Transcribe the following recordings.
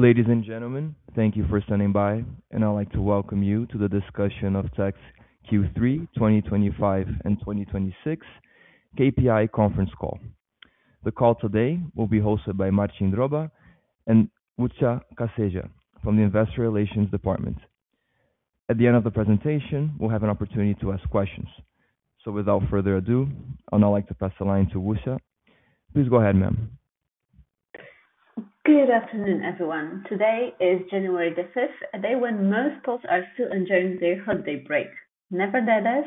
Ladies and gentlemen, thank you for standing by, and I'd like to welcome you to the discussion of Text Q3 2025 and 2026 KPI conference call. The call today will be hosted by Marcin Droba and Łucja Kaseja, from the Investor Relations Department. At the end of the presentation, we'll have an opportunity to ask questions. So, without further ado, I'd like to pass the line to Lucja. Please go ahead, ma'am. Good afternoon, everyone. Today is January the 5th, a day when most Poles are still enjoying their holiday break. Nevertheless,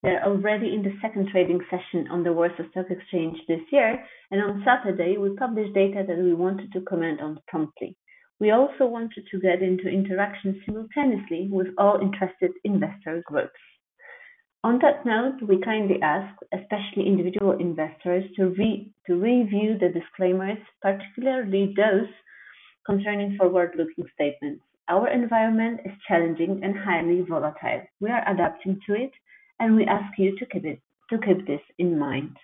we are already in the second trading session on the Warsaw Stock Exchange this year, and on Saturday, we published data that we wanted to comment on promptly. We also wanted to get into interaction simultaneously with all interested investor groups. On that note, we kindly ask, especially individual investors, to review the disclaimers, particularly those concerning forward-looking statements. Our environment is challenging and highly volatile. We are adapting to it, and we ask you to keep this in mind.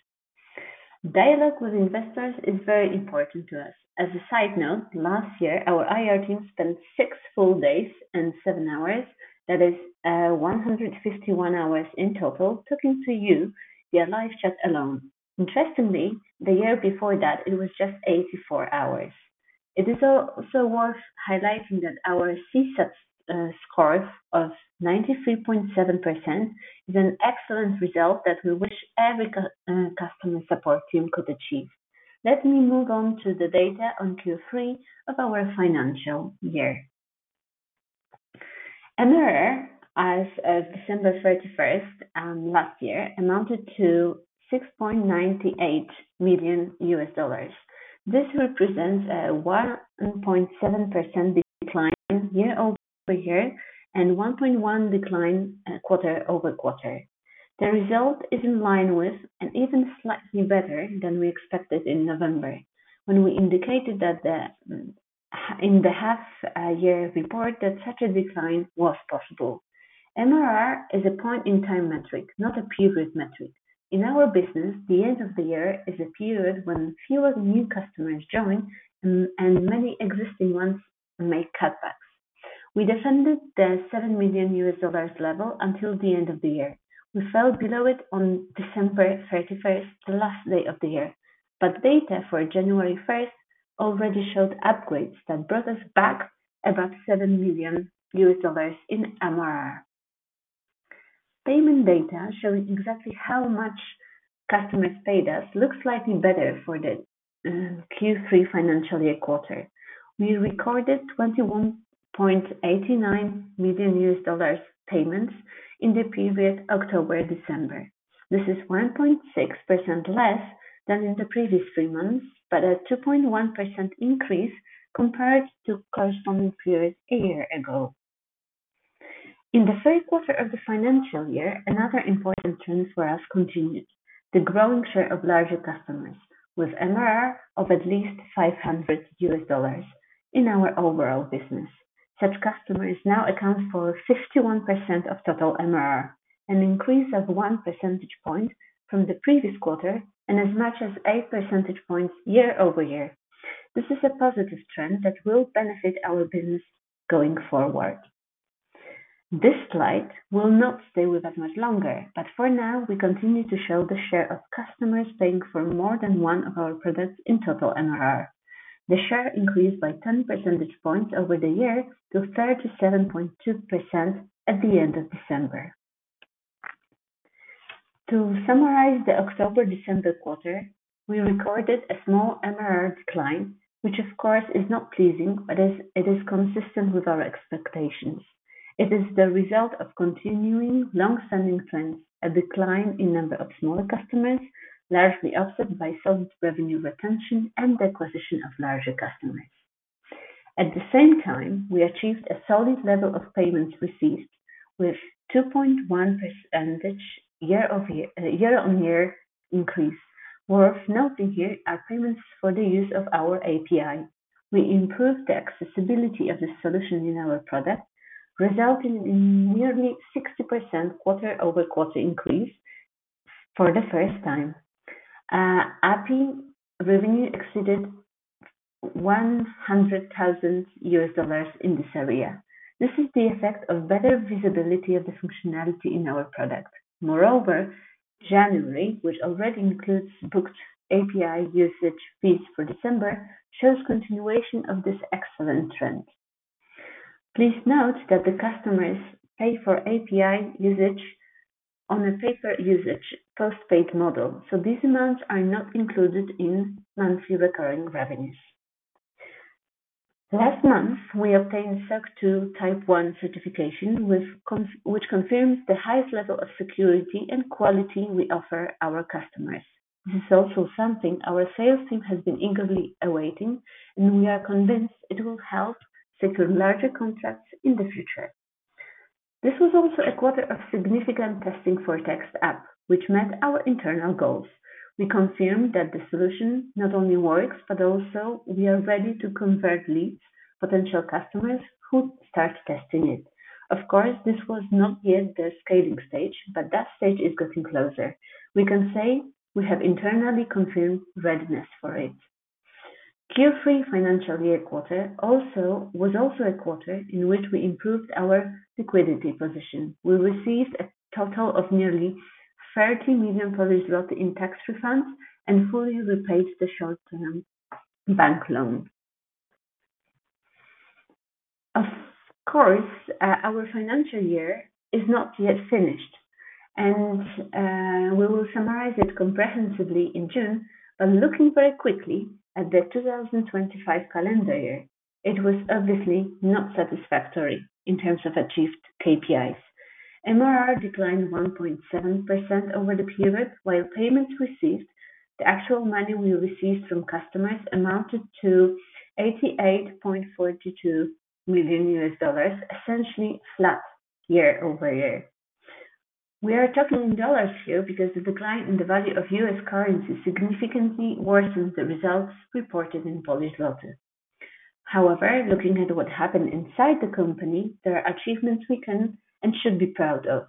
Dialogue with investors is very important to us. As a side note, last year, our IR team spent six full days and seven hours, that is 151 hours in total, talking to you via live chat alone. Interestingly, the year before that, it was just 84 hours. It is also worth highlighting that our CSAT score of 93.7% is an excellent result that we wish every customer support team could achieve. Let me move on to the data on Q3 of our financial year. MRR, as of December 31st last year, amounted to $6.98 million. This represents a 1.7% decline year over year and a 1.1% decline quarter over quarter. The result is in line with, and even slightly better than we expected in November, when we indicated that in the half-year report that such a decline was possible. MRR is a point-in-time metric, not a period metric. In our business, the end of the year is a period when fewer new customers join and many existing ones make cutbacks. We defended the $7 million level until the end of the year. We fell below it on December 31st, the last day of the year, but data for January 1st already showed upgrades that brought us back above $7 million in MRR. Payment data showing exactly how much customers paid us looks slightly better for the Q3 financial year quarter. We recorded $21.89 million payments in the period October-December. This is 1.6% less than in the previous three months, but a 2.1% increase compared to the corresponding period a year ago. In the third quarter of the financial year, another important trend for us continued: the growing share of larger customers with MRR of at least $500 in our overall business. Such customers now account for 51% of total MRR, an increase of one percentage point from the previous quarter and as much as eight percentage points year over year. This is a positive trend that will benefit our business going forward. This slide will not stay with us much longer, but for now, we continue to show the share of customers paying for more than one of our products in total MRR. The share increased by 10 percentage points over the year to 37.2% at the end of December. To summarize the October-December quarter, we recorded a small MRR decline, which, of course, is not pleasing, but it is consistent with our expectations. It is the result of continuing long-standing trends: a decline in number of smaller customers, largely offset by solid revenue retention and acquisition of larger customers. At the same time, we achieved a solid level of payments received, with a 2.1% year-on-year increase. Worth noting here, our payments for the use of our API. We improved the accessibility of the solution in our product, resulting in a nearly 60% quarter-over-quarter increase for the first time. API revenue exceeded $100,000 in this area. This is the effect of better visibility of the functionality in our product. Moreover, January, which already includes booked API usage fees for December, shows continuation of this excellent trend. Please note that the customers pay for API usage on a pay-per-usage post-paid model, so these amounts are not included in monthly recurring revenues. Last month, we obtained SOC 2 Type I certification, which confirms the highest level of security and quality we offer our customers. This is also something our sales team has been eagerly awaiting, and we are convinced it will help secure larger contracts in the future. This was also a quarter of significant testing for the Text app, which met our internal goals. We confirmed that the solution not only works, but also we are ready to convert leads, potential customers, who start testing it. Of course, this was not yet the scaling stage, but that stage is getting closer. We can say we have internally confirmed readiness for it. Q3 financial year quarter was also a quarter in which we improved our liquidity position. We received a total of nearly $30 million in tax refunds and fully repaid the short-term bank loan. Of course, our financial year is not yet finished, and we will summarize it comprehensively in June, but looking very quickly at the 2025 calendar year, it was obviously not satisfactory in terms of achieved KPIs. MRR declined 1.7% over the period, while payments received, the actual money we received from customers, amounted to $88.42 million, essentially flat year over year. We are talking in dollars here because the decline in the value of US currency significantly worsens the results reported in Polish złoty. However, looking at what happened inside the company, there are achievements we can and should be proud of.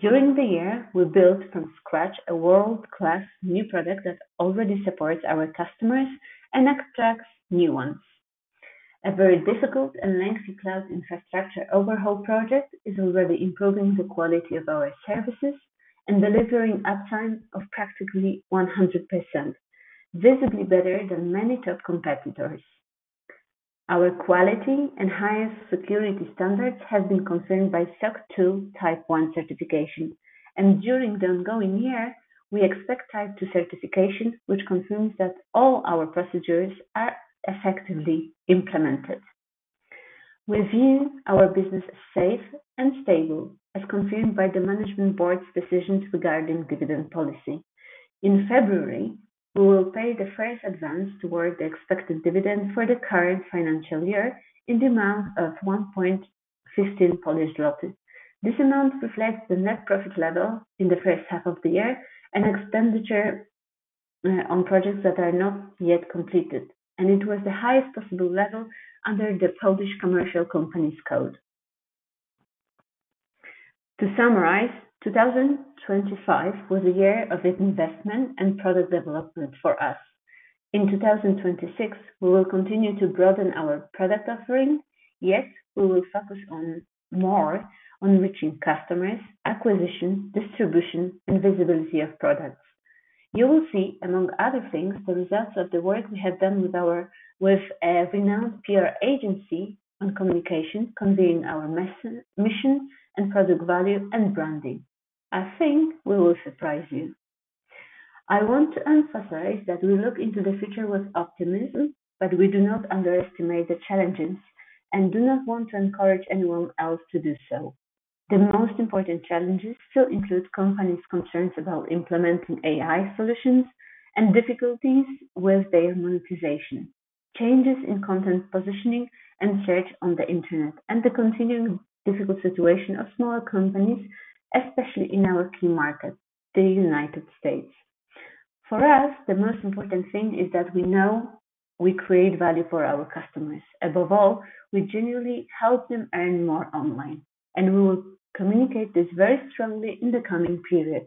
During the year, we built from scratch a world-class new product that already supports our customers and attracts new ones. A very difficult and lengthy cloud infrastructure overhaul project is already improving the quality of our services and delivering uptime of practically 100%, visibly better than many top competitors. Our quality and highest security standards have been confirmed by SOC 2 Type I certification, and during the ongoing year, we expect Type II certification, which confirms that all our procedures are effectively implemented. We view our business as safe and stable, as confirmed by the management board's decisions regarding dividend policy. In February, we will pay the first advance toward the expected dividend for the current financial year in the amount of 1.15 PLN. This amount reflects the net profit level in the first half of the year and expenditure on projects that are not yet completed, and it was the highest possible level under the Polish Commercial Companies Code. To summarize, 2025 was a year of investment and product development for us. In 2026, we will continue to broaden our product offering, yet we will focus more on reaching customers, acquisition, distribution, and visibility of products. You will see, among other things, the results of the work we have done with a renowned PR agency on communication, conveying our mission and product value and branding. I think we will surprise you. I want to emphasize that we look into the future with optimism, but we do not underestimate the challenges and do not want to encourage anyone else to do so. The most important challenges still include companies' concerns about implementing AI solutions and difficulties with their monetization, changes in content positioning and search on the internet, and the continuing difficult situation of small companies, especially in our key market, the United States. For us, the most important thing is that we know we create value for our customers. Above all, we genuinely help them earn more online, and we will communicate this very strongly in the coming period.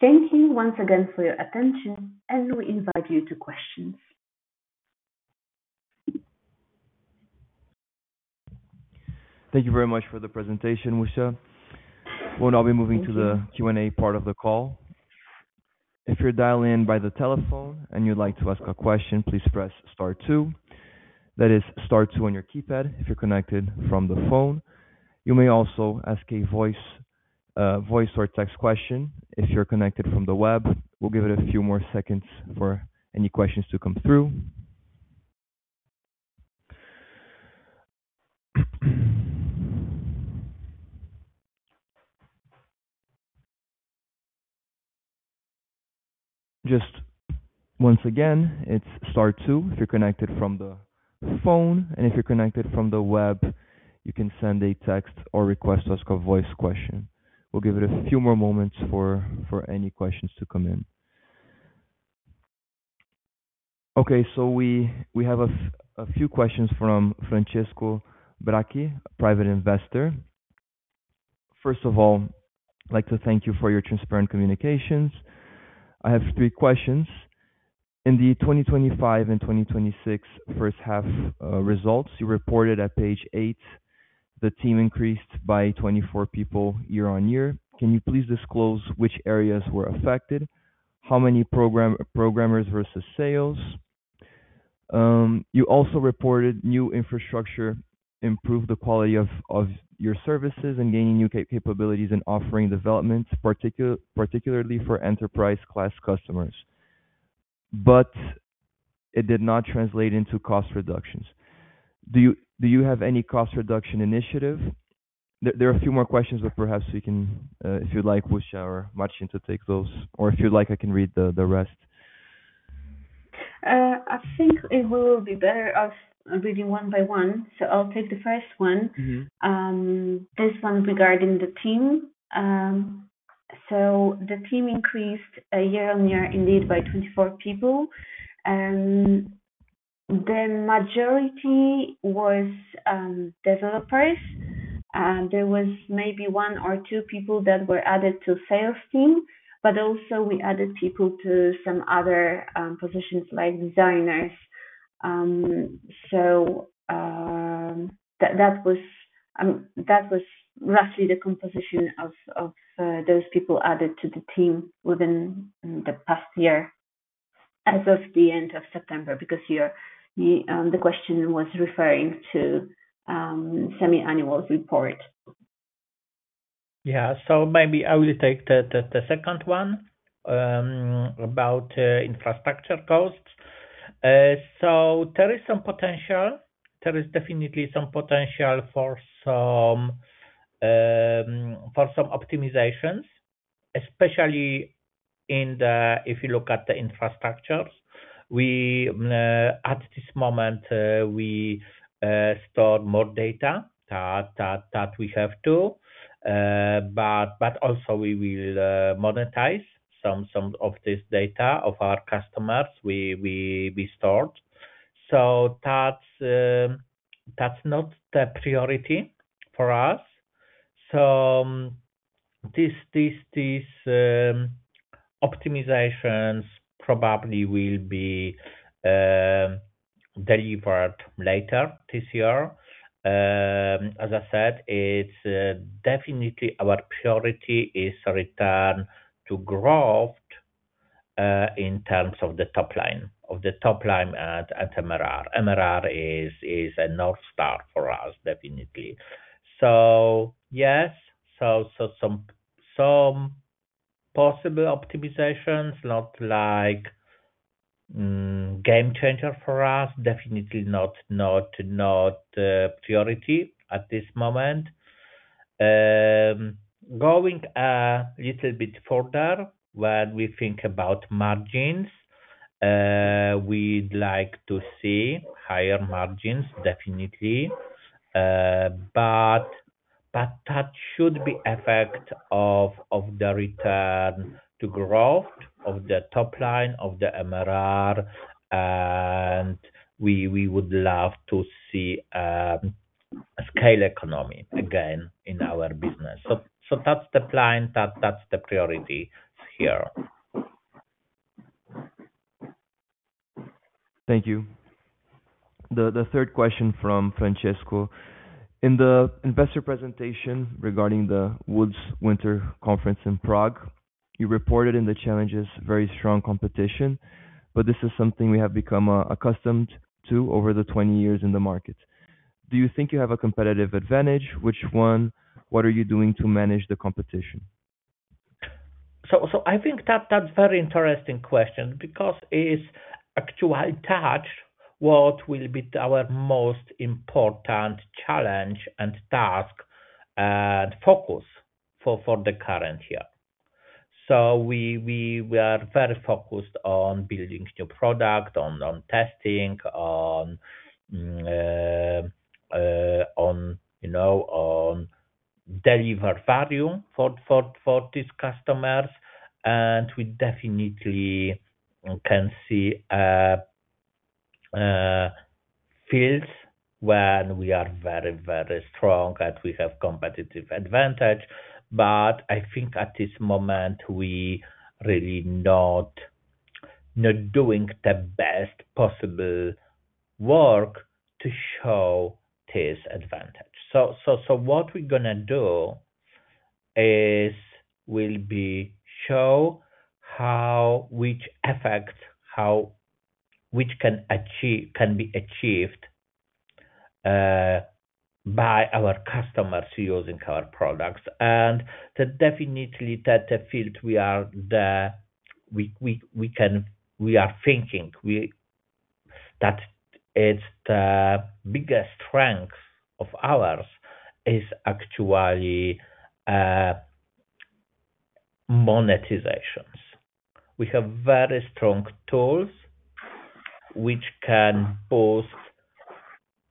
Thank you once again for your attention, and we invite you to questions. Thank you very much for the presentation, Lucja. We'll now be moving to the Q&A part of the call. If you're dialed in by the telephone and you'd like to ask a question, please press Star 2. That is, Star 2 on your keypad if you're connected from the phone. You may also ask a voice or text question if you're connected from the web. We'll give it a few more seconds for any questions to come through. Just once again, it's Star 2 if you're connected from the phone, and if you're connected from the web, you can send a text or request us a voice question. We'll give it a few more moments for any questions to come in. Okay, so we have a few questions from Francesco Brachi, a private investor. First of all, I'd like to thank you for your transparent communications. I have three questions. In the 2025 and 2026 first-half results, you reported at page eight, the team increased by 24 people year on year. Can you please disclose which areas were affected? How many programmers versus sales? You also reported new infrastructure improved the quality of your services and gaining new capabilities and offering developments, particularly for enterprise-class customers, but it did not translate into cost reductions. Do you have any cost reduction initiative? There are a few more questions, but perhaps we can, if you'd like, Lucja or Marcin, to take those, or if you'd like, I can read the rest. I think it will be better off reading one by one, so I'll take the first one. This one regarding the team. So the team increased year on year, indeed, by 24 people. The majority was developers. There was maybe one or two people that were added to the sales team, but also we added people to some other positions like designers. So that was roughly the composition of those people added to the team within the past year as of the end of September because the question was referring to the semi-annual report. Yeah, so maybe I will take the second one about infrastructure costs. So there is some potential. There is definitely some potential for some optimizations, especially if you look at the infrastructures. At this moment, we store more data than we have to, but also we will monetize some of this data of our customers we stored. So that's not the priority for us. So these optimizations probably will be delivered later this year. As I said, definitely our priority is return to growth in terms of the top line at MRR. MRR is a North Star for us, definitely. So yes, some possible optimizations, not like game changer for us, definitely not priority at this moment. Going a little bit further, when we think about margins, we'd like to see higher margins, definitely, but that should be an effect of the return to growth of the top line of the MRR, and we would love to see a scale economy again in our business. So that's the plan. That's the priority here. Thank you. The third question from Francesco. In the investor presentation regarding the Wood's Winter Conference in Prague, you reported in the challenges very strong competition, but this is something we have become accustomed to over the 20 years in the market. Do you think you have a competitive advantage? Which one? What are you doing to manage the competition? So I think that's a very interesting question because it's actually touched what will be our most important challenge and task and focus for the current year. So we are very focused on building new product, on testing, on deliver value for these customers, and we definitely can see fields where we are very, very strong and we have a competitive advantage, but I think at this moment we're really not doing the best possible work to show this advantage. So what we're going to do is we'll show which effects can be achieved by our customers using our products, and definitely that the field we are thinking that it's the biggest strength of ours is actually monetizations. We have very strong tools which can boost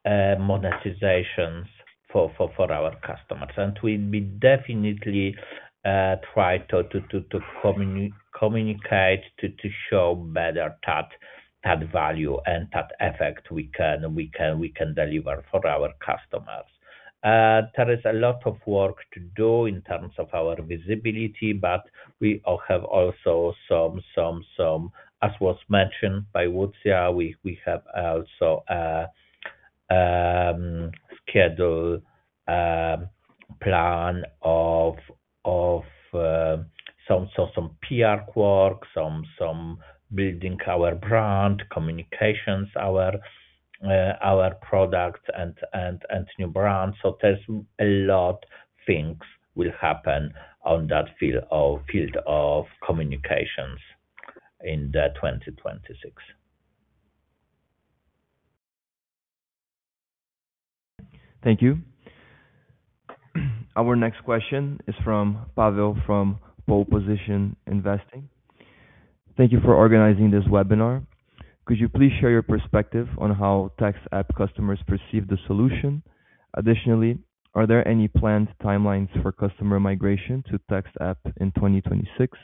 monetizations for our customers, and we'll definitely try to communicate to show better that value and that effect we can deliver for our customers. There is a lot of work to do in terms of our visibility, but we have also some, as was mentioned by Lucja, we have also a schedule plan of some PR work, some building our brand, communications of our product, and new brands. So there's a lot of things that will happen on that field of communications in 2026. Thank you. Our next question is from Pavel from Pole Position Investing. Thank you for organizing this webinar. Could you please share your perspective on how Text app customers perceive the solution? Additionally, are there any planned timelines for customer migration to Text app in 2026?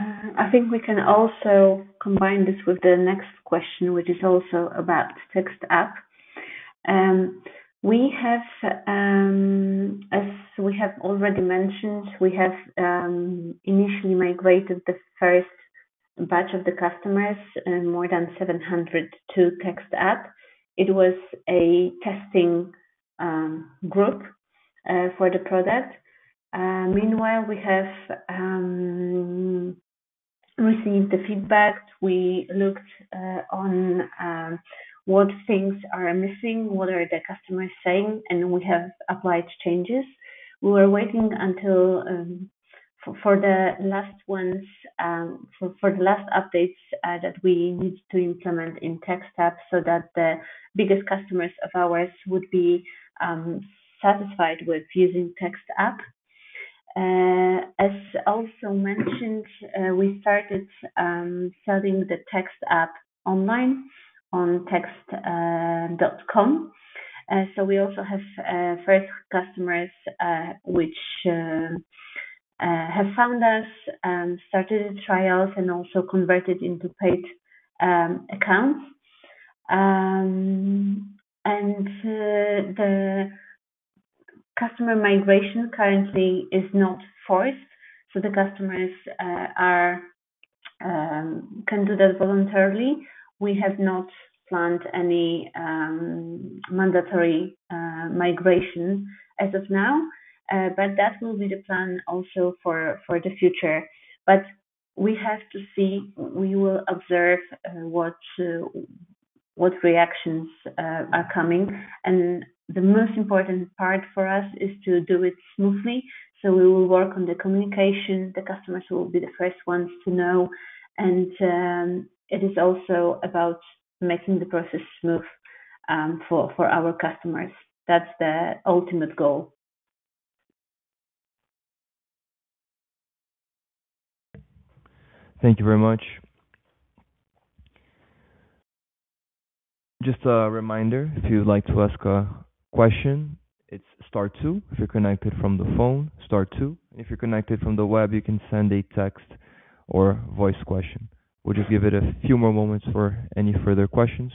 I think we can also combine this with the next question, which is also about Text app. As we have already mentioned, we have initially migrated the first batch of the customers, more than 700 to Text app. It was a testing group for the product. Meanwhile, we have received the feedback. We looked on what things are missing, what are the customers saying, and we have applied changes. We were waiting for the last ones, for the last updates that we need to implement in Text app so that the biggest customers of ours would be satisfied with using Text app. As also mentioned, we started selling the Text app online on text.com. So we also have first customers which have found us and started trials and also converted into paid accounts, and the customer migration currently is not forced, so the customers can do that voluntarily. We have not planned any mandatory migration as of now, but that will be the plan also for the future, but we have to see. We will observe what reactions are coming, and the most important part for us is to do it smoothly, so we will work on the communication. The customers will be the first ones to know, and it is also about making the process smooth for our customers. That's the ultimate goal. Thank you very much. Just a reminder, if you'd like to ask a question, it's Star 2. If you're connected from the phone, Star 2, and if you're connected from the web, you can send a text or voice question. We'll just give it a few more moments for any further questions.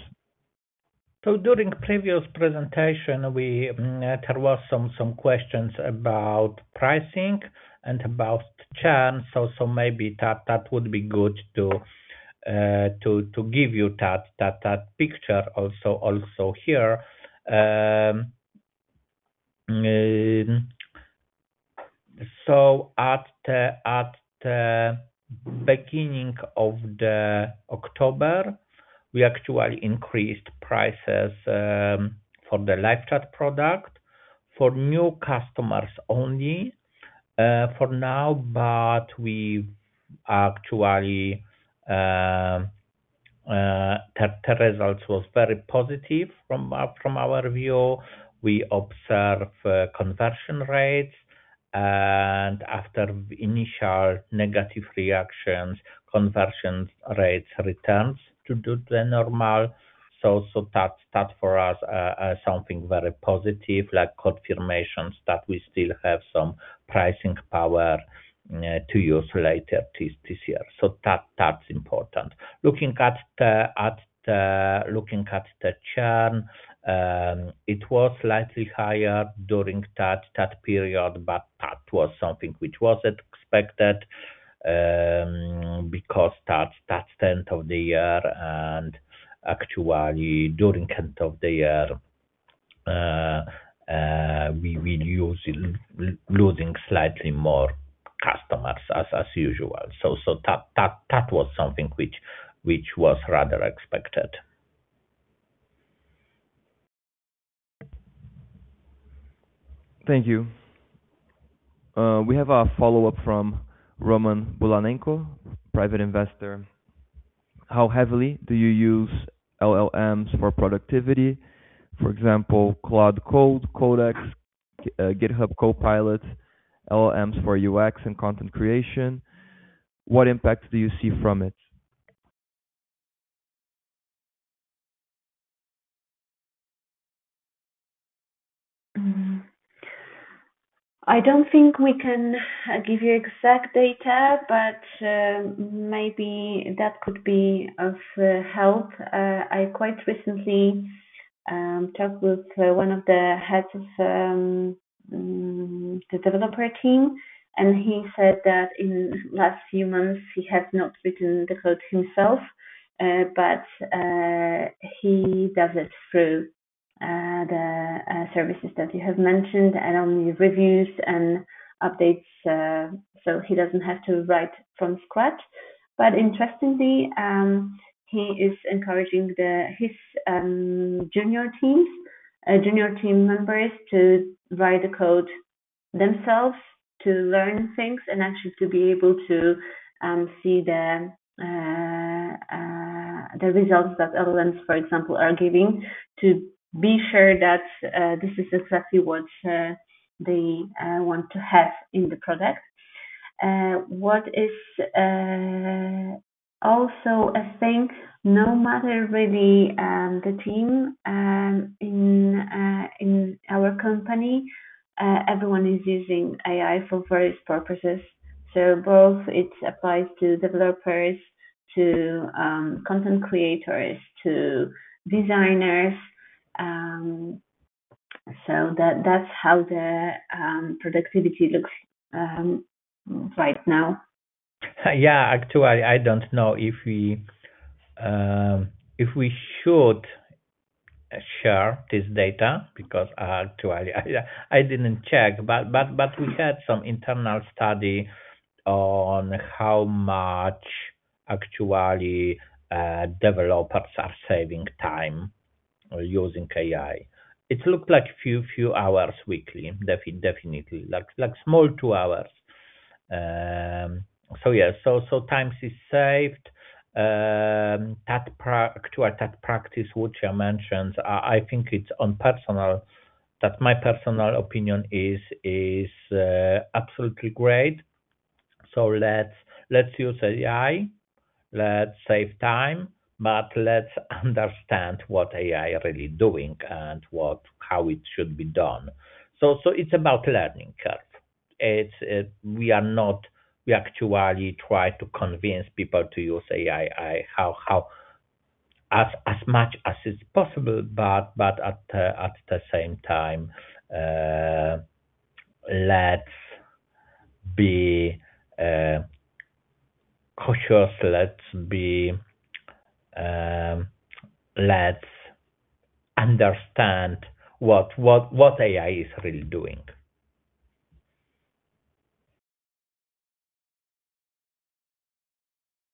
So, during previous presentation, there were some questions about pricing and about churn, so maybe that would be good to give you that picture also here. So, at the beginning of October, we actually increased prices for the LiveChat product for new customers only for now, but the results were very positive from our view. We observed conversion rates, and after initial negative reactions, conversion rates returned to the normal. So, that's for us something very positive, like confirmations that we still have some pricing power to use later this year. So, that's important. Looking at the churn, it was slightly higher during that period, but that was something which was expected because that's the end of the year, and actually during the end of the year, we've been losing slightly more customers as usual. So, that was something which was rather expected. Thank you. We have a follow-up from Roman Bulanenko, private investor. How heavily do you use LLMs for productivity? For example, Claude, Cody, Codex, GitHub Copilot, LLMs for UX and content creation. What impact do you see from it? I don't think we can give you exact data, but maybe that could be of help. I quite recently talked with one of the heads of the developer team, and he said that in the last few months, he has not written the code himself, but he does it through the services that you have mentioned and on the reviews and updates, so he doesn't have to write from scratch. But interestingly, he is encouraging his junior team members to write the code themselves to learn things and actually to be able to see the results that LLMs, for example, are giving to be sure that this is exactly what they want to have in the product. What is also a thing, no matter really the team in our company, everyone is using AI for various purposes. So both it applies to developers, to content creators, to designers. That's how the productivity looks right now. Yeah, actually, I don't know if we should share this data because I didn't check, but we had some internal study on how much actually developers are saving time using AI. It looked like a few hours weekly, definitely, like small two hours. So yes, so time is saved. Actually, that practice which I mentioned, I think it's on personal, that my personal opinion is absolutely great. So let's use AI. Let's save time, but let's understand what AI is really doing and how it should be done. So it's about learning curve. We actually try to convince people to use AI as much as it's possible, but at the same time, let's be cautious. Let's understand what AI is really doing.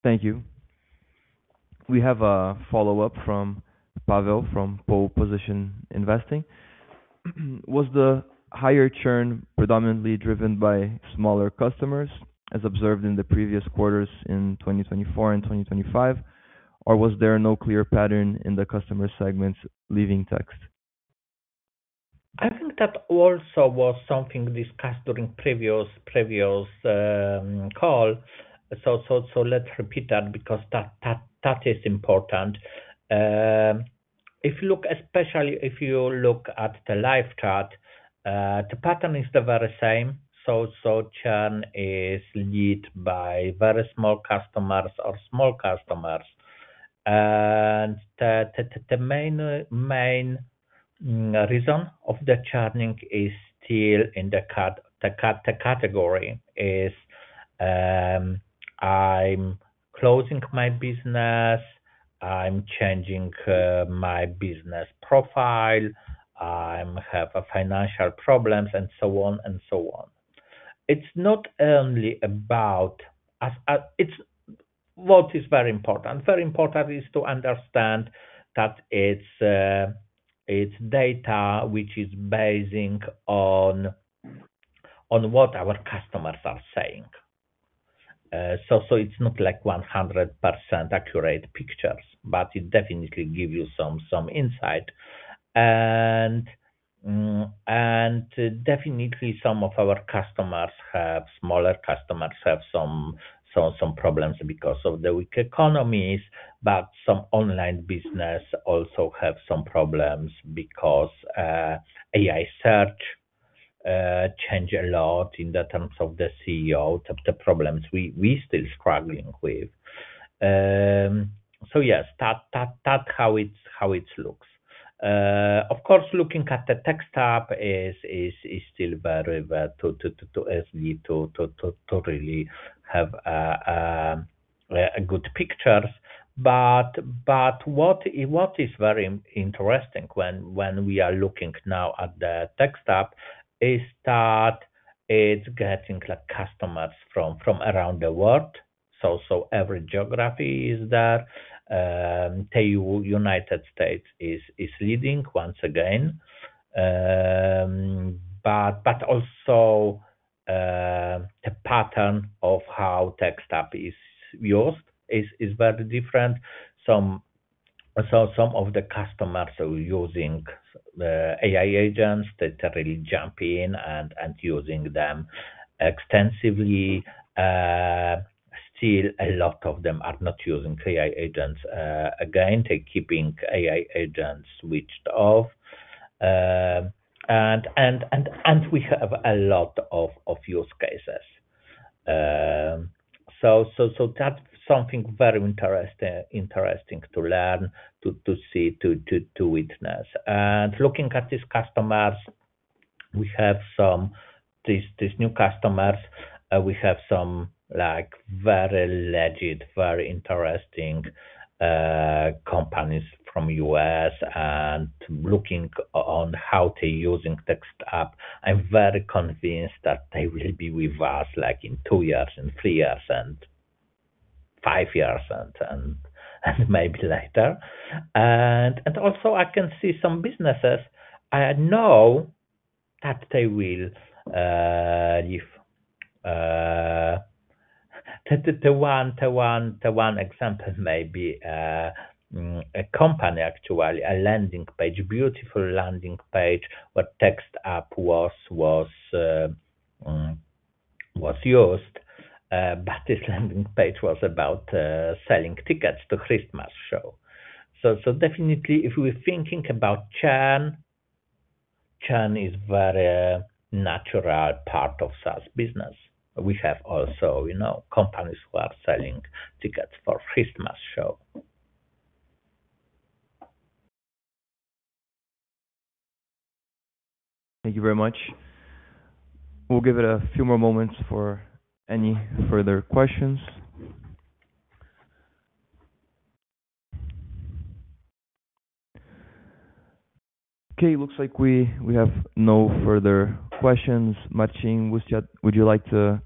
Thank you. We have a follow-up from Pavel from Pole Position Investing. Was the higher churn predominantly driven by smaller customers as observed in the previous quarters in 2024 and 2025, or was there no clear pattern in the customer segments leaving Text? I think that also was something discussed during previous call, so let's repeat that because that is important. If you look, especially if you look at the LiveChat, the pattern is the very same, so churn is led by very small customers or small customers, and the main reason of the churning is still in the category: "I'm closing my business, I'm changing my business profile, I have financial problems, and so on and so on." It's not only about what is very important. Very important is to understand that it's data which is based on what our customers are saying, so it's not like 100% accurate pictures, but it definitely gives you some insight. And definitely, some of our customers have smaller customers have some problems because of the weak economies, but some online business also have some problems because AI search changes a lot in terms of the SEO, the problems we're still struggling with. So yes, that's how it looks. Of course, looking at the Text app is still very too early to really have good pictures. But what is very interesting when we are looking now at the Text app is that it's getting customers from around the world. So every geography is there. The United States is leading once again. But also the pattern of how Text app is used is very different. So some of the customers are using AI agents that really jump in and using them extensively. Still, a lot of them are not using AI agents again. They're keeping AI agents switched off. We have a lot of use cases. That's something very interesting to learn, to see, to witness. Looking at these customers, we have some new customers. We have some very legit, very interesting companies from the U.S. and looking on how they're using Text app. I'm very convinced that they will be with us in two years and three years and five years and maybe later. Also, I can see some businesses. I know that they will leave. The one example may be a company, actually, a landing page, beautiful landing page where Text app was used, but this landing page was about selling tickets to Christmas show. Definitely, if we're thinking about churn, churn is a very natural part of SaaS business. We have also companies who are selling tickets for Christmas show. Thank you very much. We'll give it a few more moments for any further questions. Okay, it looks like we have no further questions. Marcin, would you like to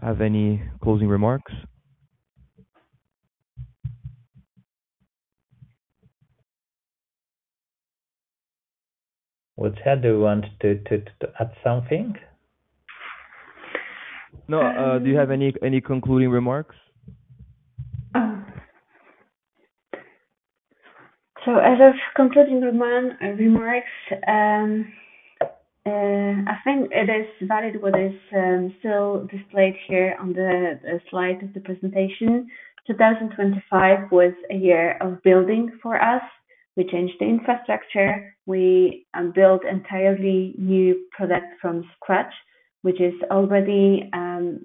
have any closing remarks? What's happened? Do you want to add something? No. Do you have any concluding remarks? So, as of concluding remarks, I think it is valid what is still displayed here on the slide of the presentation. 2025 was a year of building for us. We changed the infrastructure. We built entirely new products from scratch, which is already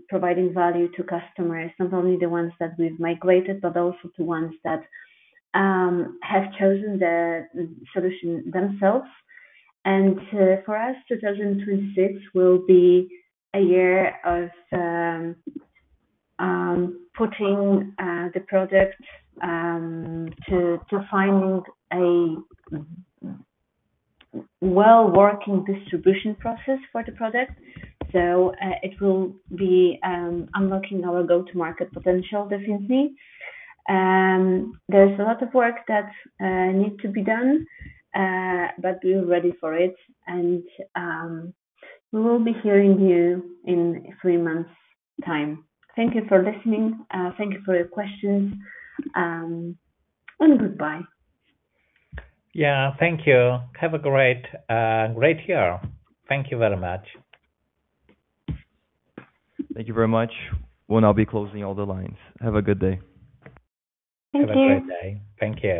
providing value to customers, not only the ones that we've migrated, but also to ones that have chosen the solution themselves. And for us, 2026 will be a year of putting the product to finding a well-working distribution process for the product. So it will be unlocking our go-to-market potential, definitely. There's a lot of work that needs to be done, but we're ready for it. And we will be hearing you in three months' time. Thank you for listening. Thank you for your questions. And goodbye. Yeah, thank you. Have a great year. Thank you very much. Thank you very much. We'll now be closing all the lines. Have a good day. Thank you. Have a great day. Thank you.